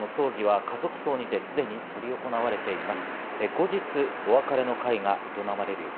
高橋幸宏さんの葬儀は家族葬にてすでに執り行われています。